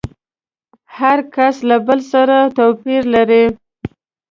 هر کس له بل سره توپير لري.